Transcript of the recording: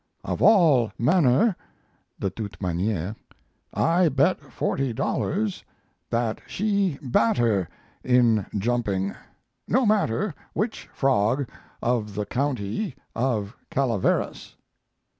Of all manner (de toute maniere) I bet forty dollars that she batter in jumping, no matter which frog of the county of Calaveras."